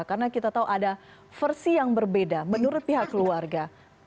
karena kita tahu ada versi yang berbeda menurut pihak keluarga